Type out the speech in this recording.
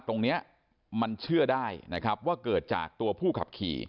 ตรงนี้มันเชื่อได้นะครับว่าเกิดจากตัวผู้ขับขี่